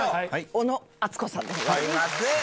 小野あつこさんでございます。